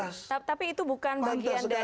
jadi apa yang tidak pantas